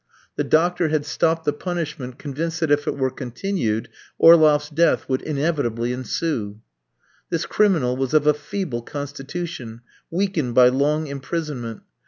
The doctor had stopped the punishment, convinced that if it were continued Orloff's death would inevitably ensue. This criminal was of a feeble constitution, weakened by long imprisonment.